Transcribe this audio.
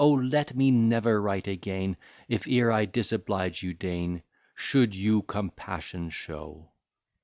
let me never write again, If e'er I disoblige you, Dean, Should you compassion show.